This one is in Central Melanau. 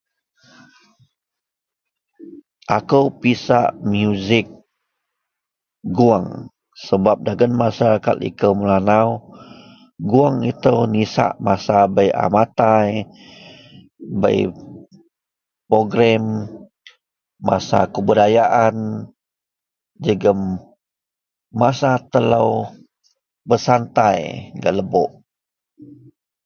Ako pisak musik goung sebab dagen masyarakat liko melanau goung ito nisak masa bei a matai, bei progem masa kebudayaan jegum masa telo bersantai gak lebok.